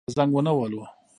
نور مو چا ته زنګ ونه وهلو.